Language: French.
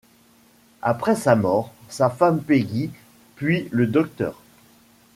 Après sa mort, sa femme Peggy puis le Dr.